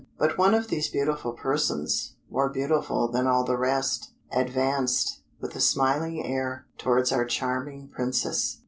But one of these beautiful persons, more beautiful than all the rest, advanced, with a smiling air, towards our charming Princess.